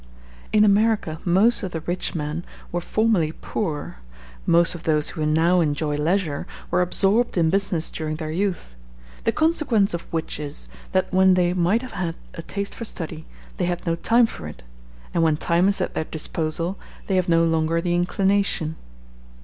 In America most of the rich men were formerly poor; most of those who now enjoy leisure were absorbed in business during their youth; the consequence of which is, that when they might have had a taste for study they had no time for it, and when time is at their disposal they have no longer the inclination.